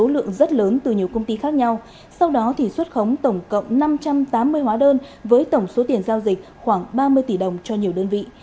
lượng rất lớn từ nhiều công ty khác nhau sau đó thì xuất khống tổng cộng năm trăm tám mươi hóa đơn với tổng số tiền giao dịch khoảng ba mươi tỷ đồng cho nhiều đơn vị